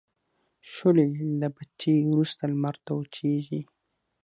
شولې له بټۍ وروسته لمر ته وچیږي.